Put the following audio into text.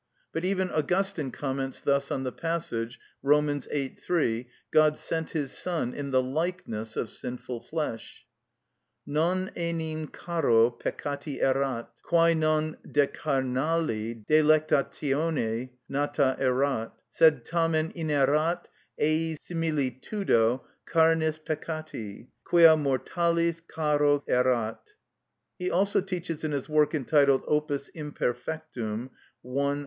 But even Augustine comments thus on the passage, Rom. viii. 3, "God sent his Son in the likeness of sinful flesh:" "_Non enim caro peccati erat, quæ non de carnali delectatione nata erat: sed tamen inerat ei similitudo carnis peccati, quia mortalis caro erat_" (Liber 83, quæst. qu. 66). He also teaches in his work entitled "Opus Imperfectum," i.